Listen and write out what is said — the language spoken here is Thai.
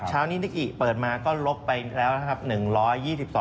เช้านี้นิกิเปิดมาก็ลบไปแล้วนะครับ